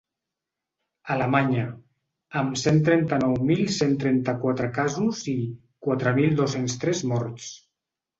Alemanya, amb cent trenta-nou mil cent trenta-quatre casos i quatre mil dos-cents tres morts.